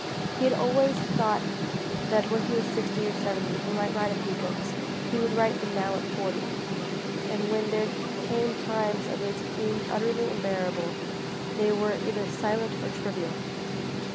He had always thought that when he was sixty or seventy he might write a few books. He would write them now at forty. And when there came times of its being utterly unbearable, they were either silent or trivial.